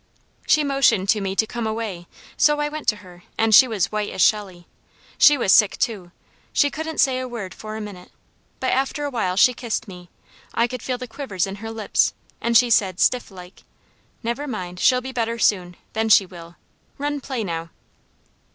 She motioned to me to come away, so I went to her and she was white as Shelley. She was sick too, she couldn't say a word for a minute, but after a while she kissed me, I could feel the quivers in her lips, and she said stifflike: "Never mind, she'll be better soon, then she will! Run play now!"